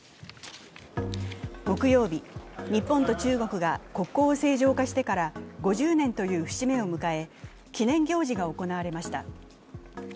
木曜日、日本と中国が国交を正常化してから５０年という節目を迎え、記念行事が行われました。